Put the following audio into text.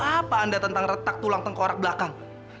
kenapa anda tentang retak tulang tenggorak belakang